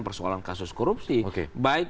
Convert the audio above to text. persoalan kasus korupsi baik